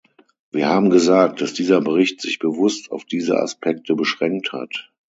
Wir haben gesagt, dass dieser Bericht sich bewusst auf diese Aspekte beschränkt hat.